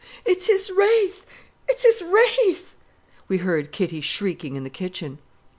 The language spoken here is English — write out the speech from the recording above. "It's his wraith! It's his wraith!"' we heard Kitty shrieking in the kitchen.